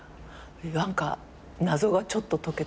何か謎がちょっと解けた。